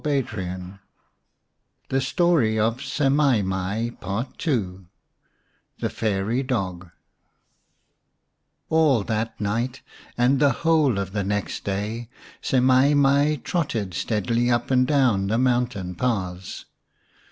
170 XV THE STORY OF SEMAI MAI PART II THE FAIRY DOG ALL that night and the whole of the next day Semai mai trotted steadily up and down the mountain paths.